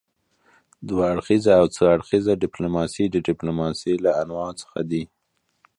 دوه اړخیزه او څو اړخیزه ډيپلوماسي د ډيپلوماسي د انواعو څخه دي.